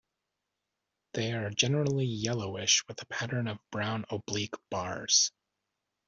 They are generally yellowish with a pattern of brown oblique bars.